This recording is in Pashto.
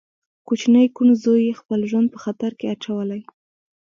کوچني کوڼ زوی يې خپل ژوند په خطر کې اچولی.